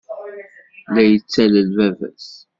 La yettalel baba-s.